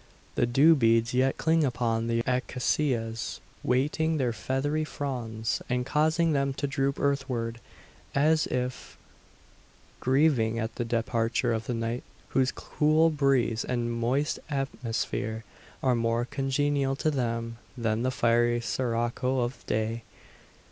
The dew beads yet cling upon the acacias, weighting their feathery fronds, and causing them to droop earthward, as if grieving at the departure of the night, whose cool breeze and moist atmosphere are more congenial to them than the fiery sirocco of day.